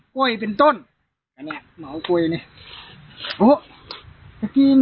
กล้วยเป็นต้นอันนี้หมอกล้วยนี้โอ้โหจะกิน